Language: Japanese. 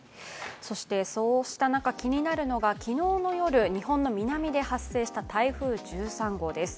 そうした中、気になるのが昨日の夜、日本の南で発生した台風１３号です。